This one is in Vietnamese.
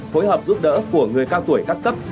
phối hợp giúp đỡ của người cao tuổi các cấp